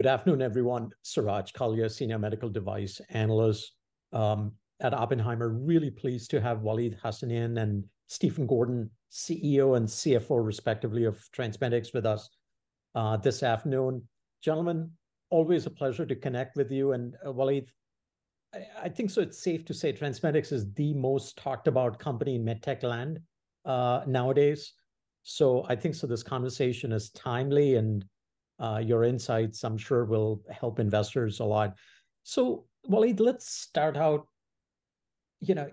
Good afternoon, everyone. Suraj Kalia, Senior Medical Device Analyst at Oppenheimer. Really pleased to have Waleed Hassanein and Stephen Gordon, CEO and CFO respectively of TransMedics, with us this afternoon. Gentlemen, always a pleasure to connect with you. And, Waleed, I think so it's safe to say TransMedics is the most talked about company in med tech land nowadays. So I think this conversation is timely, and your insights, I'm sure, will help investors a lot. So Waleed, let's start out, you know,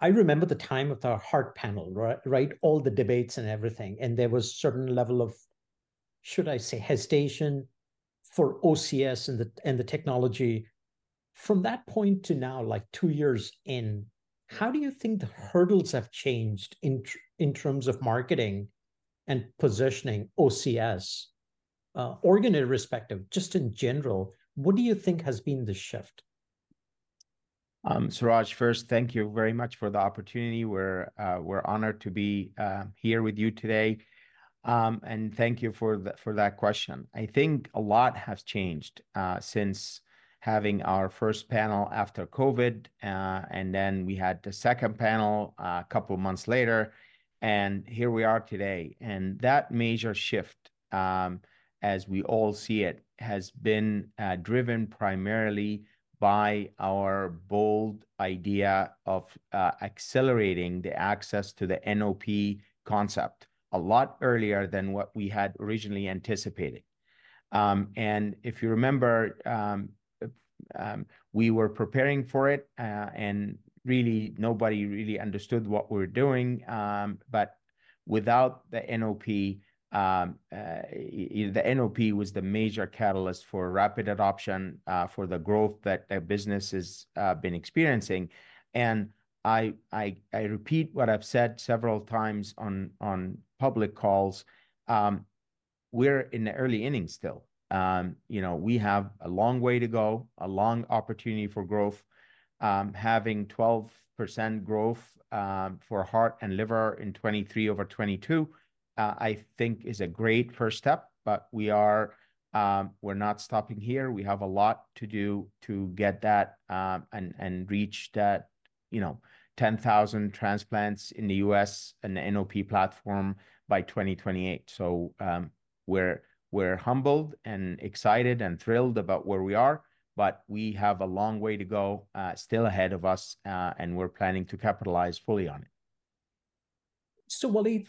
I remember the time of our heart panel, right, right? All the debates and everything, and there was certain level of, should I say, hesitation for OCS and the technology. From that point to now, like two years in, how do you think the hurdles have changed in terms of marketing and positioning OCS, organ irrespective, just in general, what do you think has been the shift? Suraj, first, thank you very much for the opportunity. We're honored to be here with you today. And thank you for that question. I think a lot has changed since having our first panel after COVID. And then we had the second panel a couple of months later, and here we are today. And that major shift, as we all see it, has been driven primarily by our bold idea of accelerating the access to the NOP concept a lot earlier than what we had originally anticipated. And if you remember, we were preparing for it, and really, nobody really understood what we were doing. But without the NOP, the NOP was the major catalyst for rapid adoption for the growth that the business has been experiencing. And I repeat what I've said several times on public calls, we're in the early innings still. You know, we have a long way to go, a long opportunity for growth. Having 12% growth for heart and liver in 2023 over 2022, I think is a great first step, but we are, we're not stopping here. We have a lot to do to get that, and reach that, you know, 10,000 transplants in the U.S. in the NOP platform by 2028. So, we're, we're humbled and excited and thrilled about where we are, but we have a long way to go, still ahead of us, and we're planning to capitalize fully on it. So, Waleed,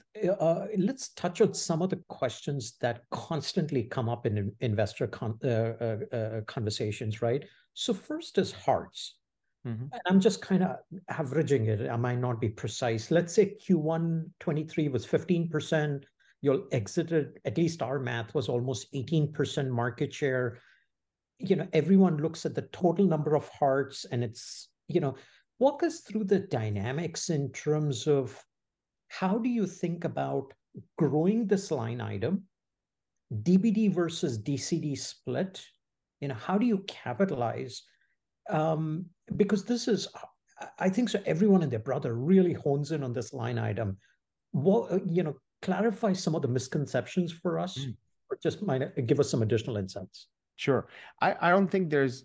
let's touch on some of the questions that constantly come up in investor conversations, right? So first is hearts. Mm-hmm. I'm just kinda averaging it. I might not be precise. Let's say Q1 2023 was 15%. Your exit, at least our math, was almost 18% market share. You know, everyone looks at the total number of hearts, and it's... You know, walk us through the dynamics in terms of how do you think about growing this line item, DBD versus DCD split, and how do you capitalize? Because this is, I think so everyone and their brother really hones in on this line item. What-- You know, clarify some of the misconceptions for us- Mm... or just might, give us some additional insights. Sure. I don't think there's.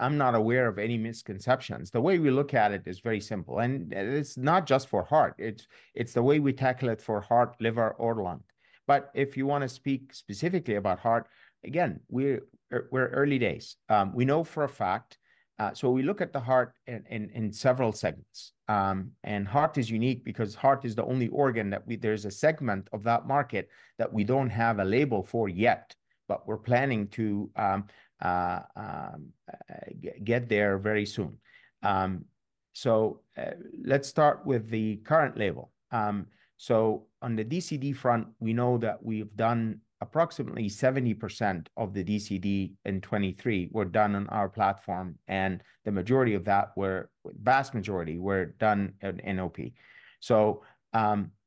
I'm not aware of any misconceptions. The way we look at it is very simple, and it's not just for heart, it's the way we tackle it for heart, liver or lung. But if you wanna speak specifically about heart, again, we're early days. We know for a fact, so we look at the heart in several segments. And heart is unique because heart is the only organ that we—there's a segment of that market that we don't have a label for yet, but we're planning to get there very soon. So, let's start with the current label. So on the DCD front, we know that we've done approximately 70% of the DCD in 2023 were done on our platform, and the majority of that were, vast majority, were done in NOP. So,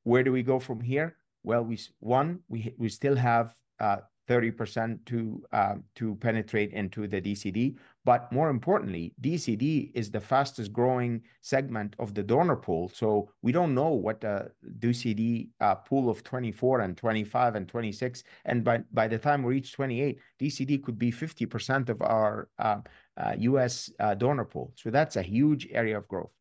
where do we go from here? Well, one, we still have 30% to penetrate into the DCD, but more importantly, DCD is the fastest growing segment of the donor pool. So we don't know what a DCD pool of 2024 and 2025 and 2026, and by the time we reach 2028, DCD could be 50% of our U.S. donor pool. So that's a huge area of growth.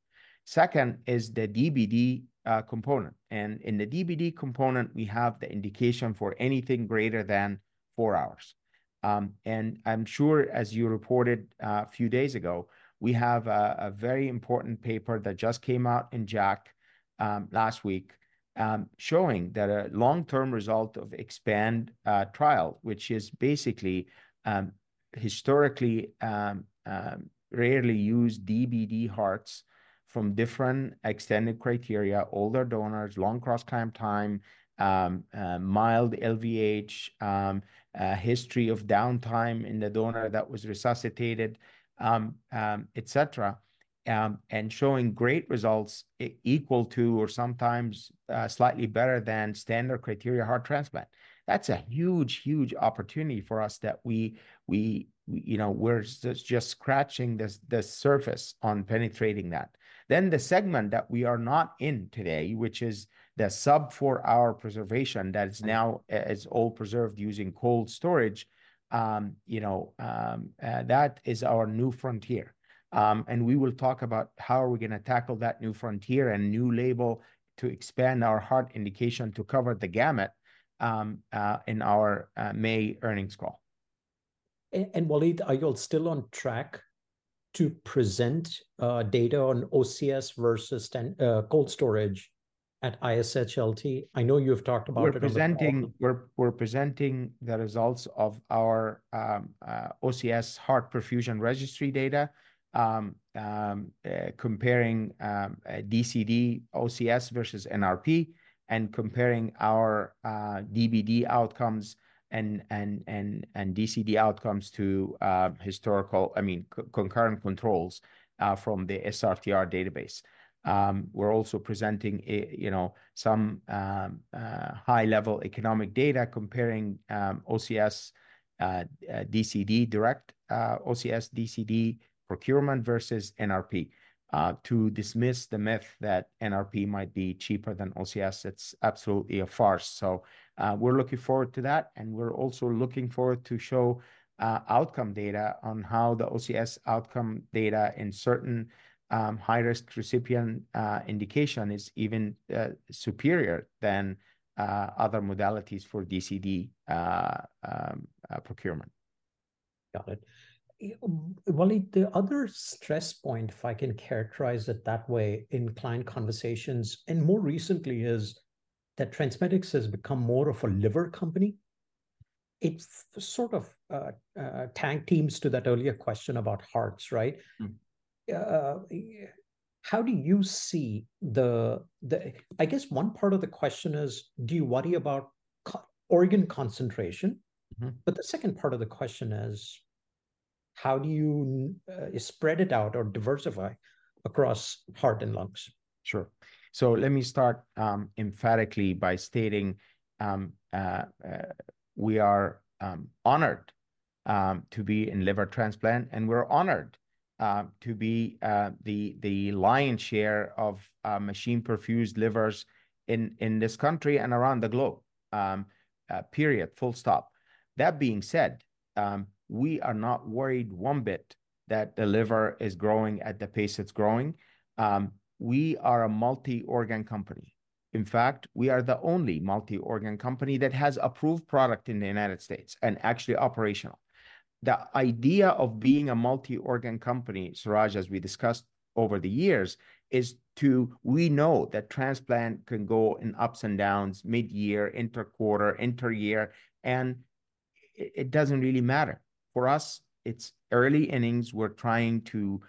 Second is the DBD component, and in the DBD component, we have the indication for anything greater than four hours. And I'm sure, as you reported, a few days ago, we have a very important paper that just came out in JACC last week, showing a long-term result of EXPAND trial, which is basically historically rarely used DBD hearts from different extended criteria, older donors, long cross-clamp time, mild LVH, history of downtime in the donor that was resuscitated, et cetera. And showing great results equal to or sometimes slightly better than standard criteria heart transplant. That's a huge, huge opportunity for us that we, you know, we're just scratching the surface on penetrating that. Then, the segment that we are not in today, which is the sub-four-hour preservation that's now all preserved using cold storage, you know, that is our new frontier. We will talk about how are we gonna tackle that new frontier and new label to expand our heart indication to cover the gamut in our May earnings call.... and Waleed, are you all still on track to present data on OCS versus standard cold storage at ISHLT? I know you've talked about it- We're presenting the results of our OCS Heart Perfusion Registry data, comparing DCD OCS versus NRP, and comparing our DBD outcomes and DCD outcomes to historical... I mean, concurrent controls from the SRTR database. We're also presenting a, you know, some high-level economic data comparing OCS DCD direct OCS DCD procurement versus NRP to dismiss the myth that NRP might be cheaper than OCS. It's absolutely a farce. So, we're looking forward to that, and we're also looking forward to show outcome data on how the OCS outcome data in certain high-risk recipient indication is even superior than other modalities for DCD procurement. Got it. Waleed, the other stress point, if I can characterize it that way, in client conversations, and more recently, is that TransMedics has become more of a liver company. It sort of tag teams to that earlier question about hearts, right? Mm. How do you see the... I guess one part of the question is: do you worry about organ concentration? Mm-hmm. But the second part of the question is: how do you spread it out or diversify across heart and lungs? Sure. So let me start emphatically by stating we are honored to be in liver transplant, and we're honored to be the lion's share of machine perfused livers in this country and around the globe. Period, full stop. That being said, we are not worried one bit that the liver is growing at the pace it's growing. We are a multi-organ company. In fact, we are the only multi-organ company that has approved product in the United States, and actually operational. The idea of being a multi-organ company, Suraj, as we discussed over the years, is to... We know that transplant can go in ups and downs, mid-year, inter-quarter, inter-year, and it doesn't really matter. For us, it's early innings. We're trying to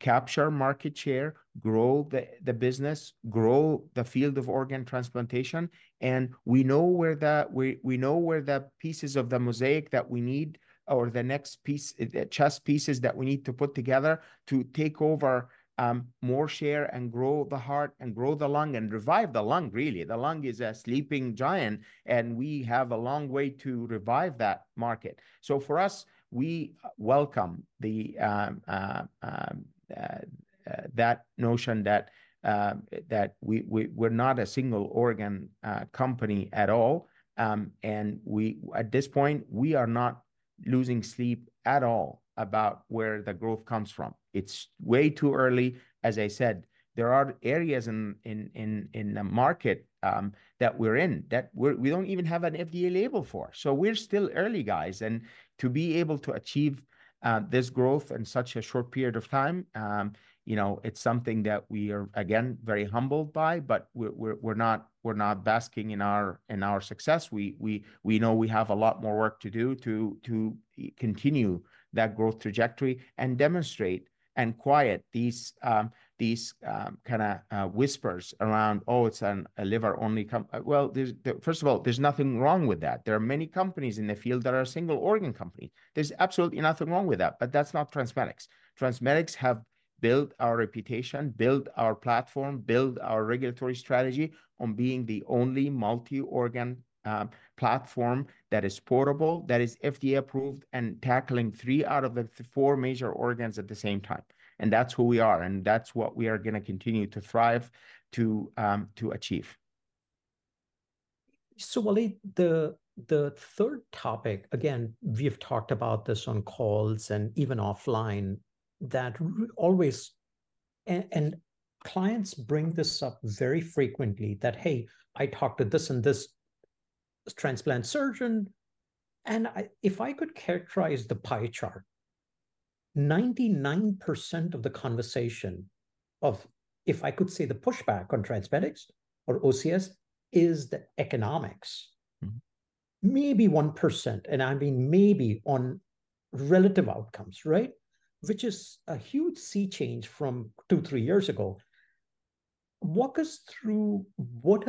capture market share, grow the business, grow the field of organ transplantation, and we know where the pieces of the mosaic that we need, or the next piece, chess pieces that we need to put together to take over, more share and grow the heart, and grow the lung, and revive the lung, really. The lung is a sleeping giant, and we have a long way to revive that market. So for us, we welcome that notion that we, we're not a single organ company at all. And at this point, we are not losing sleep at all about where the growth comes from. It's way too early. As I said, there are areas in the market that we're in that we don't even have an FDA label for. So we're still early, guys, and to be able to achieve this growth in such a short period of time, you know, it's something that we are, again, very humbled by, but we're not basking in our success. We know we have a lot more work to do to continue that growth trajectory and demonstrate and quiet these kind of whispers around, "Oh, it's an, a liver-only comp-" Well, first of all, there's nothing wrong with that. There are many companies in the field that are a single organ company. There's absolutely nothing wrong with that, but that's not TransMedics. TransMedics have built our reputation, built our platform, built our regulatory strategy on being the only multi-organ platform that is portable, that is FDA approved, and tackling three out of the four major organs at the same time. That's who we are, and that's what we are gonna continue to thrive to, to achieve. So Waleed, the third topic, again, we've talked about this on calls and even offline, that always... And clients bring this up very frequently, that, "Hey, I talked to this and this transplant surgeon," and if I could characterize the pie chart, 99% of the conversation of, if I could say, the pushback on TransMedics or OCS, is the economics. Mm-hmm. Maybe 1%, and I mean maybe, on relative outcomes, right? Which is a huge sea change from two, three years ago. Walk us through what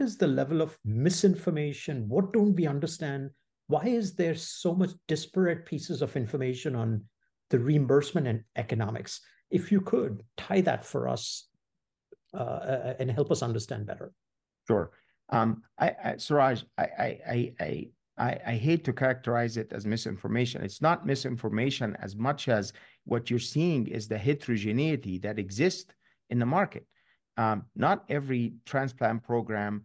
is the level of misinformation? What don't we understand? Why is there so much disparate pieces of information on the reimbursement and economics? If you could, tie that for us, and help us understand better. Sure. Suraj, I hate to characterize it as misinformation. It's not misinformation, as much as what you're seeing is the heterogeneity that exists in the market. Not every transplant program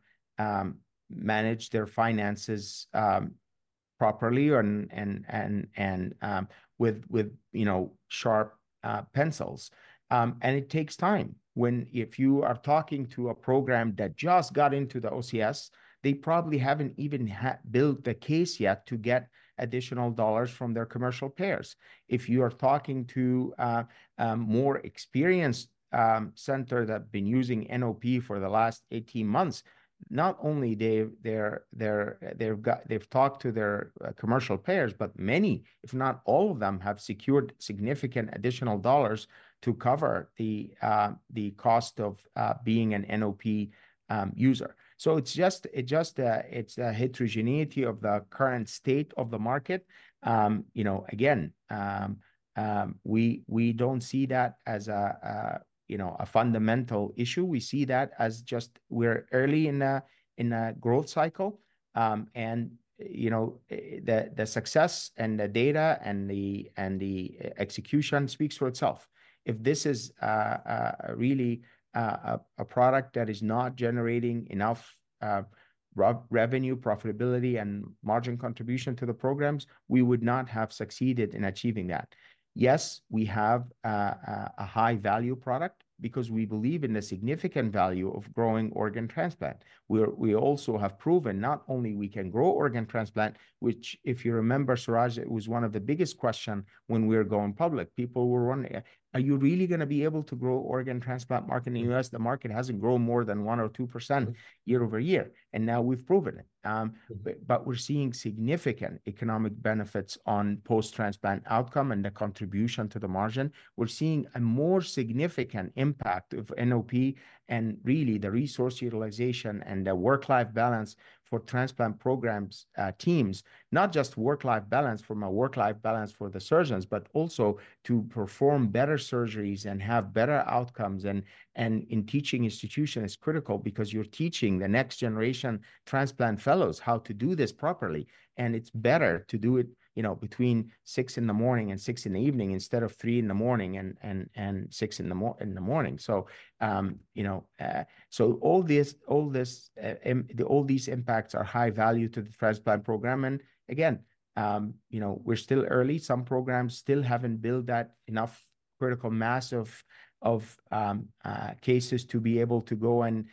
manage their finances properly and with, you know, sharp pencils. And it takes time. When if you are talking to a program that just got into the OCS, they probably haven't even built the case yet to get additional dollars from their commercial payers. If you are talking to a more experienced center that have been using NOP for the last 18 months, not only they're, they've talked to their commercial payers, but many, if not all of them, have secured significant additional dollars to cover the cost of being an NOP user. So it's just, it's a heterogeneity of the current state of the market. You know, again, we don't see that as a you know, a fundamental issue. We see that as just we're early in a growth cycle. And, you know, the success and the data and the execution speaks for itself. If this is really a product that is not generating enough revenue, profitability, and margin contribution to the programs, we would not have succeeded in achieving that. Yes, we have a high-value product because we believe in the significant value of growing organ transplant. We also have proven not only we can grow organ transplant, which, if you remember, Suraj, it was one of the biggest question when we were going public. People were wondering, "Are you really gonna be able to grow organ transplant market in the US?" The market hasn't grown more than 1% or 2% year-over-year, and now we've proven it. But we're seeing significant economic benefits on post-transplant outcome and the contribution to the margin. We're seeing a more significant impact of NOP and really the resource utilization and the work-life balance for transplant programs, teams. Not just work-life balance from a work-life balance for the surgeons, but also to perform better surgeries and have better outcomes. And in teaching institution, it's critical because you're teaching the next generation transplant fellows how to do this properly, and it's better to do it, you know, between six in the morning and six in the evening, instead of three in the morning and six in the morning. So, you know, all this, all this, the all these impacts are high value to the transplant program. And again, you know, we're still early. Some programs still haven't built that enough critical mass of cases to be able to go and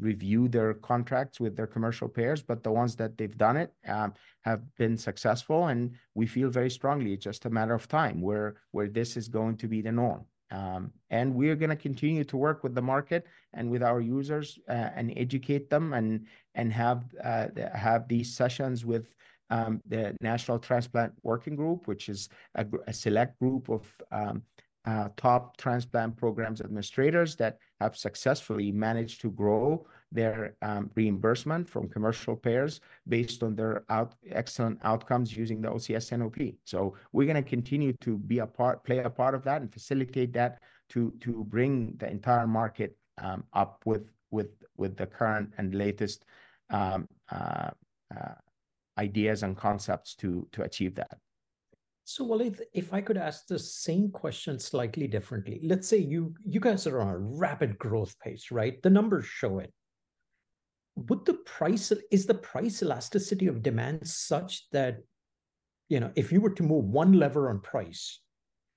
review their contracts with their commercial payers. But the ones that they've done it have been successful, and we feel very strongly it's just a matter of time where this is going to be the norm. And we are gonna continue to work with the market and with our users and educate them, and have these sessions with the National Transplant Working Group, which is a select group of top transplant programs administrators that have successfully managed to grow their reimbursement from commercial payers based on their excellent outcomes using the OCS NOP. So we're gonna continue to be a part, play a part of that and facilitate that to bring the entire market up with the current and latest ideas and concepts to achieve that. So Waleed, if I could ask the same question slightly differently. Let's say you, you guys are on a rapid growth pace, right? The numbers show it. Would the price, is the price elasticity of demand such that, you know, if you were to move one lever on price,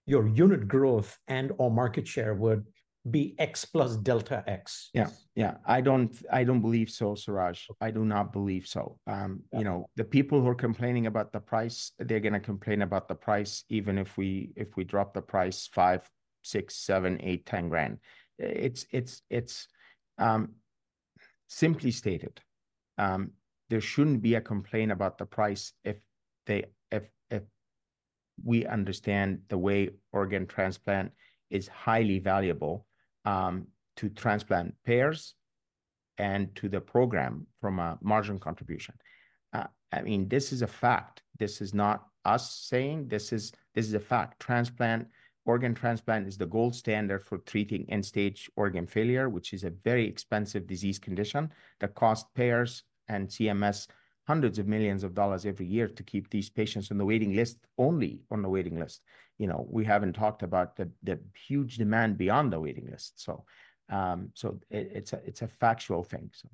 your unit growth and/or market share would be X plus delta X? Yeah. Yeah, I don't believe so, Suraj. I do not believe so. You know, the people who are complaining about the price, they're gonna complain about the price even if we drop the price $5,000, $6,000, $7,000, $8,000, $10,000. It's simply stated, there shouldn't be a complaint about the price if we understand the way organ transplant is highly valuable to transplant payers and to the program from a margin contribution. I mean, this is a fact. This is not us saying. This is a fact. Organ transplant is the gold standard for treating end-stage organ failure, which is a very expensive disease condition that cost payers and CMS hundreds of millions of dollars every year to keep these patients on the waiting list, only on the waiting list. You know, we haven't talked about the huge demand beyond the waiting list. So, it's a factual thing, so.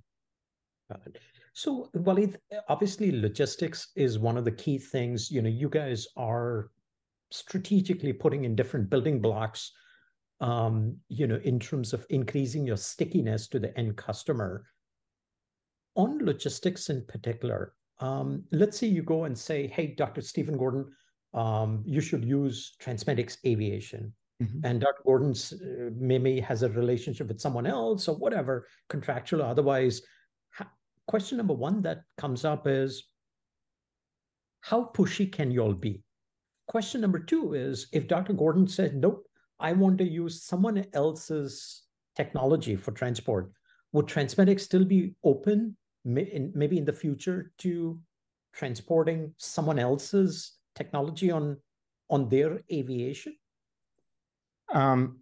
Got it. So Waleed, obviously, logistics is one of the key things. You know, you guys are strategically putting in different building blocks, you know, in terms of increasing your stickiness to the end customer. On logistics in particular, let's say you go and say, "Hey, Dr. Stephen Gordon, you should use TransMedics Aviation. Mm-hmm. Dr. Gordon's maybe has a relationship with someone else, or whatever, contractual or otherwise. Question number one that comes up is: How pushy can you all be? Question number two is: If Dr. Gordon said, "Nope, I want to use someone else's technology for transport," would TransMedics still be open in maybe in the future to transporting someone else's technology on, on their aviation?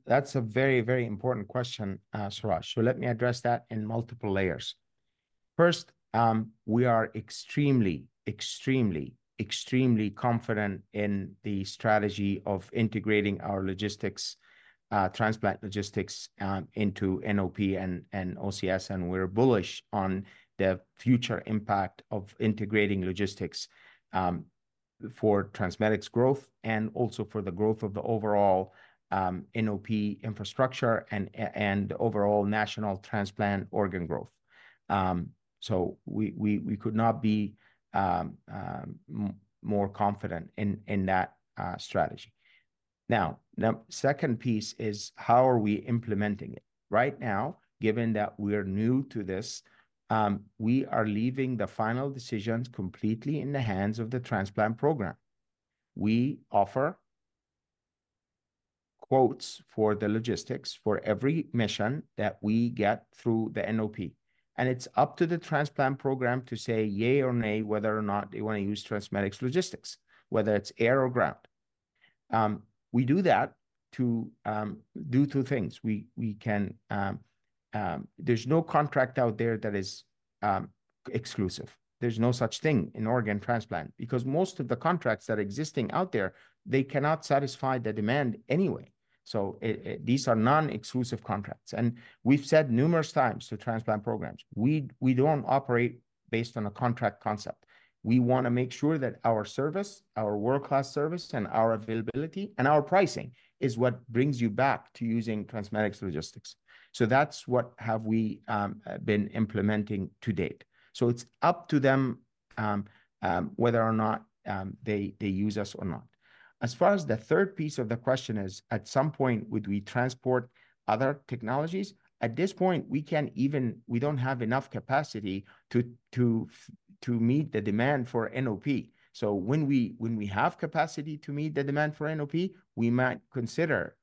That's a very, very important question, Suraj, so let me address that in multiple layers. First, we are extremely confident in the strategy of integrating our logistics, transplant logistics, into NOP and OCS, and we're bullish on the future impact of integrating logistics for TransMedics' growth, and also for the growth of the overall NOP infrastructure, and overall national transplant organ growth. So we could not be more confident in that strategy. Now, the second piece is: how are we implementing it? Right now, given that we're new to this, we are leaving the final decisions completely in the hands of the transplant program. We offer quotes for the logistics for every mission that we get through the NOP, and it's up to the transplant program to say yay or nay, whether or not they wanna use TransMedics logistics, whether it's air or ground. We do that to do two things. There's no contract out there that is exclusive. There's no such thing in organ transplant, because most of the contracts that are existing out there, they cannot satisfy the demand anyway, so these are non-exclusive contracts. And we've said numerous times to transplant programs, we don't operate based on a contract concept. We wanna make sure that our service, our world-class service, and our availability, and our pricing, is what brings you back to using TransMedics logistics. So that's what have we been implementing to date. So it's up to them, whether or not they use us or not. As far as the third piece of the question is, at some point, would we transport other technologies? At this point, we can't even. We don't have enough capacity to meet the demand for NOP. So when we have capacity to meet the demand for NOP, we might consider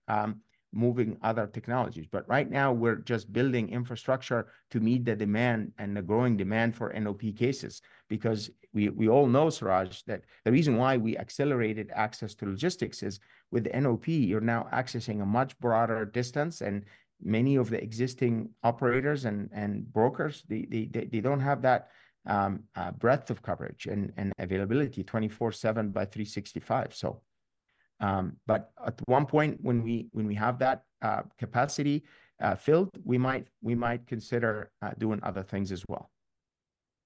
moving other technologies. But right now, we're just building infrastructure to meet the demand and the growing demand for NOP cases. Because we all know, Suraj, that the reason why we accelerated access to logistics is, with NOP, you're now accessing a much broader distance, and many of the existing operators and brokers, they don't have that breadth of coverage and availability 24/7, 365. So, but at one point, when we, when we have that capacity filled, we might, we might consider doing other things as well.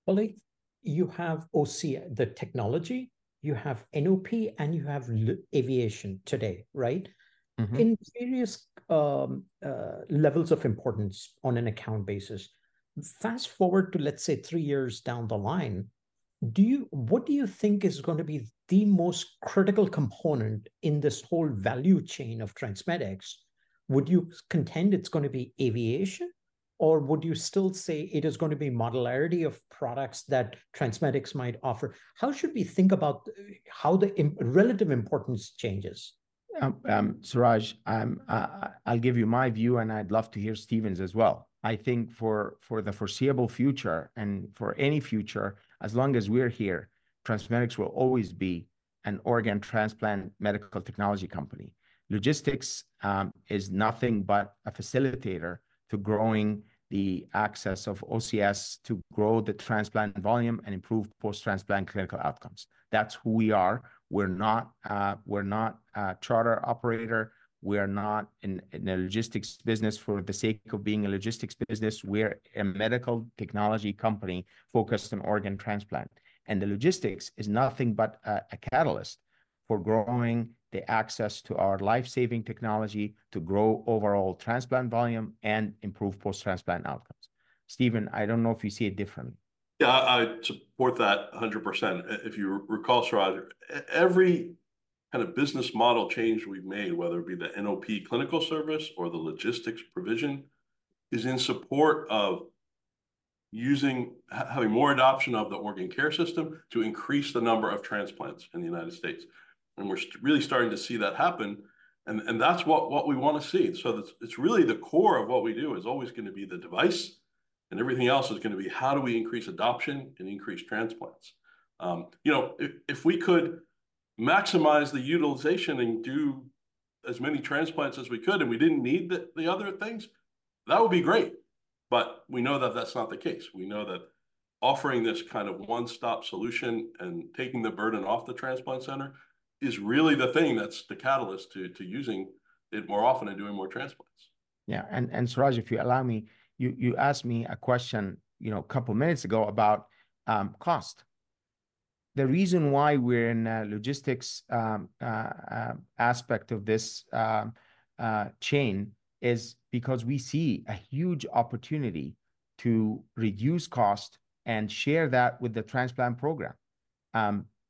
Waleed, you have OCS, the technology, you have NOP, and you have aviation today, right? Mm-hmm. In various levels of importance on an account basis, fast-forward to, let's say, three years down the line, do you—what do you think is gonna be the most critical component in this whole value chain of TransMedics? Would you contend it's gonna be aviation, or would you still say it is gonna be modularity of products that TransMedics might offer? How should we think about how the relative importance changes? Suraj, I'll give you my view, and I'd love to hear Stephen's as well. I think for the foreseeable future, and for any future, as long as we're here, TransMedics will always be an organ transplant medical technology company. Logistics is nothing but a facilitator to growing the access of OCS, to grow the transplant volume, and improve post-transplant clinical outcomes. That's who we are. We're not a charter operator. We are not in the logistics business for the sake of being a logistics business. We're a medical technology company focused on organ transplant, and the logistics is nothing but a catalyst for growing the access to our life-saving technology, to grow overall transplant volume, and improve post-transplant outcomes. Stephen, I don't know if you see it differently. Yeah, I support that 100%. If you recall, Suraj, every kind of business model change we've made, whether it be the NOP clinical service or the logistics provision, is in support of having more adoption of the organ care system to increase the number of transplants in the United States, and we're really starting to see that happen, and that's what we wanna see. So it's really the core of what we do is always gonna be the device, and everything else is gonna be: how do we increase adoption and increase transplants? You know, if we could maximize the utilization and do as many transplants as we could, and we didn't need the other things, that would be great, but we know that that's not the case. We know that offering this kind of one-stop solution and taking the burden off the transplant center is really the thing that's the catalyst to using it more often and doing more transplants. Yeah, and Suraj, if you allow me, you asked me a question, you know, a couple of minutes ago about cost. The reason why we're in a logistics aspect of this chain is because we see a huge opportunity to reduce cost and share that with the transplant program.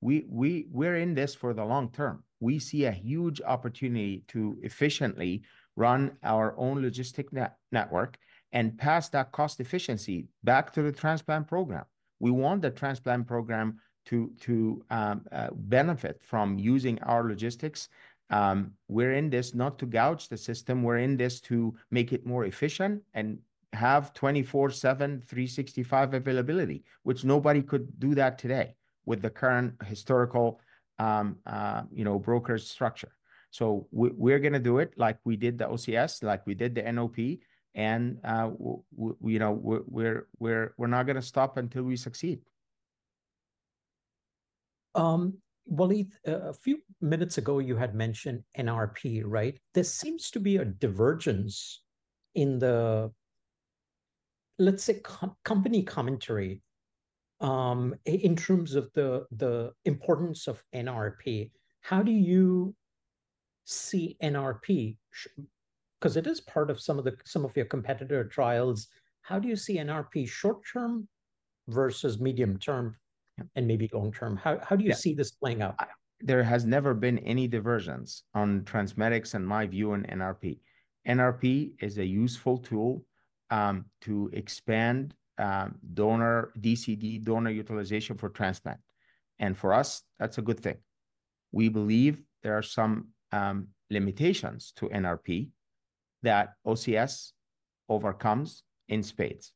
We're in this for the long term. We see a huge opportunity to efficiently run our own logistics network and pass that cost efficiency back to the transplant program. We want the transplant program to benefit from using our logistics. We're in this not to gouge the system, we're in this to make it more efficient and have 24/7, 365 availability, which nobody could do that today with the current historical, you know, broker structure. So we're gonna do it like we did the OCS, like we did the NOP, and, you know, we're not gonna stop until we succeed. Waleed, a few minutes ago, you had mentioned NRP, right? There seems to be a divergence in the, let's say, company commentary, in terms of the importance of NRP. How do you see NRP 'cause it is part of some of your competitor trials, how do you see NRP short term versus medium term- Yeah ... and maybe long term? Yeah. How do you see this playing out? There has never been any diversions on TransMedics, in my view, on NRP. NRP is a useful tool to expand donor DCD donor utilization for transplant, and for us, that's a good thing. We believe there are some limitations to NRP that OCS overcomes in spades.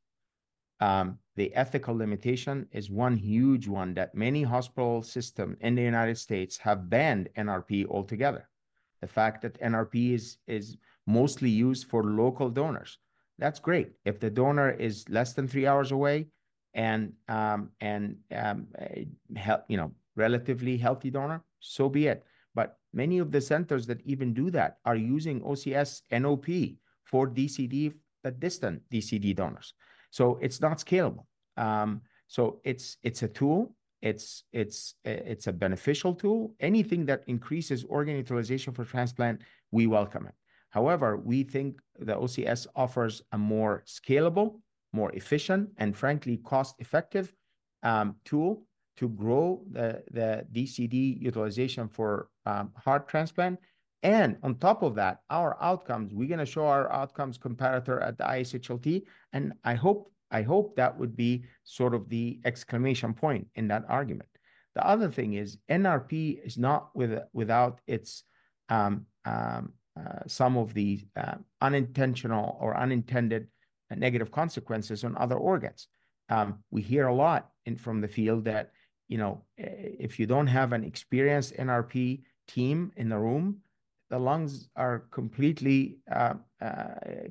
The ethical limitation is one huge one, that many hospital system in the United States have banned NRP altogether. The fact that NRP is mostly used for local donors, that's great. If the donor is less than three hours away and and a you know, relatively healthy donor, so be it. But many of the centers that even do that are using OCS NOP for DCD, but distant DCD donors, so it's not scalable. So it's a tool, it's a beneficial tool. Anything that increases organ utilization for transplant, we welcome it. However, we think the OCS offers a more scalable, more efficient, and frankly, cost-effective tool to grow the DCD utilization for heart transplant. And on top of that, our outcomes, we're gonna show our outcomes comparator at the ISHLT, and I hope that would be sort of the exclamation point in that argument. The other thing is, NRP is not without its some of the unintentional or unintended negative consequences on other organs. We hear a lot from the field that, you know, if you don't have an experienced NRP team in the room, the lungs are completely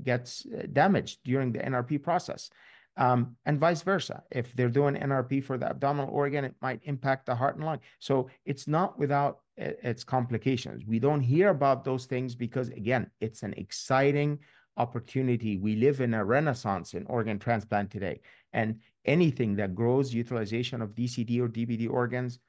gets damaged during the NRP process. And vice versa, if they're doing NRP for the abdominal organ, it might impact the heart and lung. So it's not without its complications. We don't hear about those things because, again, it's an exciting opportunity. We live in a renaissance in organ transplant today, and anything that grows utilization of DCD or DBD organs,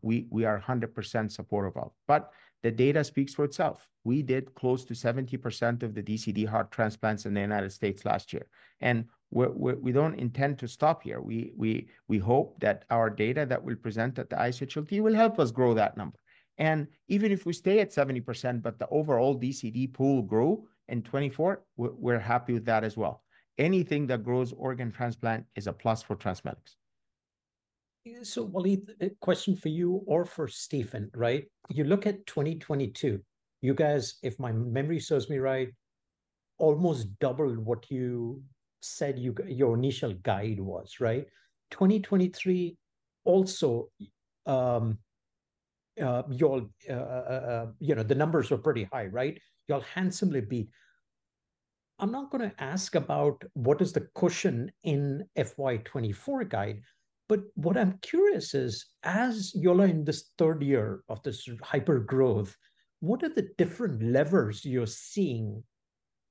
we are 100% supportive of. But the data speaks for itself. We did close to 70% of the DCD heart transplants in the United States last year, and we don't intend to stop here. We hope that our data that we present at the ISHLT will help us grow that number. And even if we stay at 70%, but the overall DCD pool grow in 2024, we're happy with that as well. Anything that grows organ transplant is a plus for TransMedics. Yeah, so Waleed, a question for you or for Stephen, right? You look at 2022, you guys, if my memory serves me right, almost doubled what your initial guide was, right? 2023 also, you know, your numbers were pretty high, right? You'll handsomely beat. I'm not gonna ask about what is the cushion in FY 2024 guide, but what I'm curious is, as you're in this third year of this hyper-growth, what are the different levers you're seeing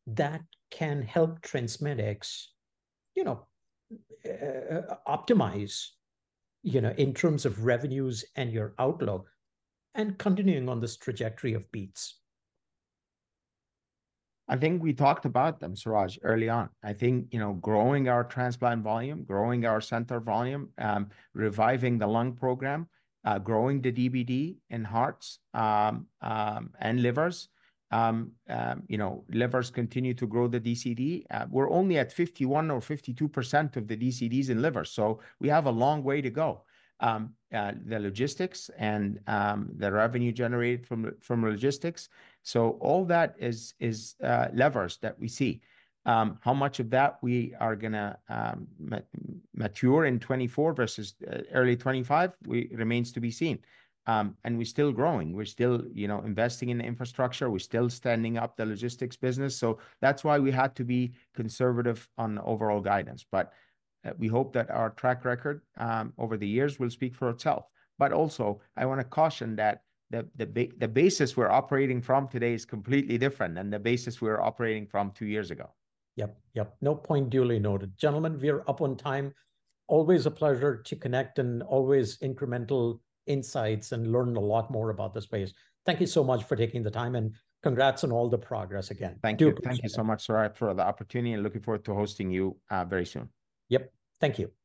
that can help TransMedics, you know, optimize, you know, in terms of revenues and your outlook, and continuing on this trajectory of beats? I think we talked about them, Suraj, early on. I think, you know, growing our transplant volume, growing our center volume, reviving the lung program, growing the DBD in hearts, and livers, you know, livers continue to grow the DCD. We're only at 51 or 52% of the DCDs in liver, so we have a long way to go. The logistics and, the revenue generated from logistics, so all that is, levers that we see. How much of that we are gonna mature in 2024 versus early 2025 remains to be seen. And we're still growing, we're still, you know, investing in the infrastructure, we're still standing up the logistics business, so that's why we had to be conservative on the overall guidance. But, we hope that our track record over the years will speak for itself. But also, I wanna caution that the basis we're operating from today is completely different than the basis we were operating from two years ago. Yep, yep. No point, duly noted. Gentlemen, we are up on time. Always a pleasure to connect, and always incremental insights, and learn a lot more about the space. Thank you so much for taking the time, and congrats on all the progress again. Thank you. Do- Thank you so much, Suraj, for the opportunity, and looking forward to hosting you, very soon. Yep, thank you. Thank you.